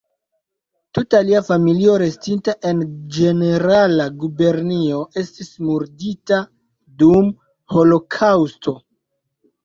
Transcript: Tuta lia familio restinta en Ĝenerala Gubernio estis murdita dum holokaŭsto.